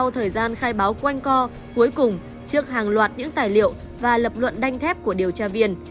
sau thời gian khai báo quanh co cuối cùng trước hàng loạt những tài liệu và lập luận đanh thép của điều tra viên